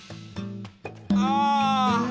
ああ。